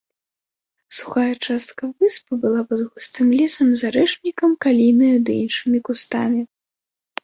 Сухая частка выспы была пад густым лесам з арэшнікам, калінаю ды іншымі кустамі.